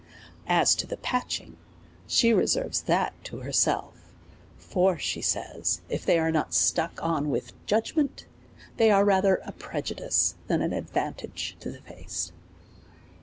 As to the patching, she reserves that to iierself ; for, she says, if they are not stuck on with judgment, they are mther a prejudice than an advantage to the face.